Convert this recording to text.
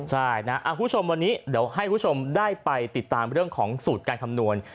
ใช่นะคุณผู้ชมวันนี้เดี๋ยวให้คุณผู้ชมได้ไปติดตามเรื่องของสูตรการคำนวณ